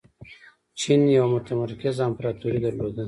چین یوه متمرکزه امپراتوري درلوده.